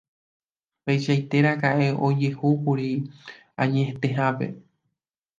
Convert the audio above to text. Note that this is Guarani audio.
Peichaitéjekoraka'e ojehúkuri añetehápe.